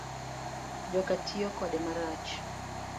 Joka tiyo kode marach